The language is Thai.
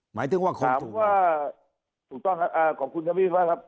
หมายถึงว่าถามว่าถูกต้องครับขอบคุณครับพี่พี่ฟ้าครับ